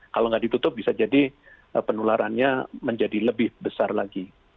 kalau nggak ditutup bisa jadi penularannya menjadi lebih besar lagi